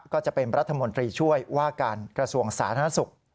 ก็จะเป็นรัฐมนตรีช่วยว่าการกระทรวงสาธารณสุข